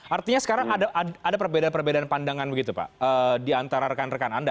artinya sekarang ada perbedaan perbedaan pandangan begitu pak di antara rekan rekan anda